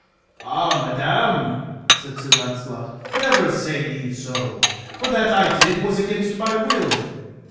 Ah, madam, said Sir Launcelot, never say ye so, for that I did was against my will.